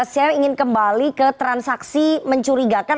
saya ingin kembali ke transaksi mencurigakan